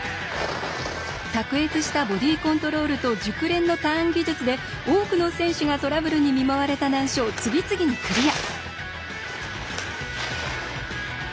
卓越したボディーコントロールと熟練のターン技術で多くの選手がトラブルに見舞われた難所を次々にクリア。